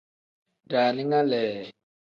Daaninga lee.